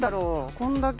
こんだけ。